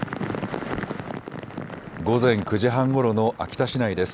午前９時半ごろの秋田市内です。